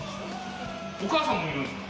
お母さんもいるんですか？